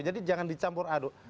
jadi jangan dicampur aduk